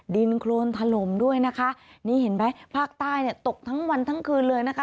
ดินโครนถล่มด้วยนะคะนี่เห็นไหมภาคใต้เนี่ยตกทั้งวันทั้งคืนเลยนะคะ